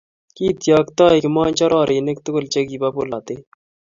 Kityoktoi kimonjororinik tugul chekibo polotet